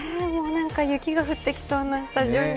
雪が降ってきそうなスタジオに。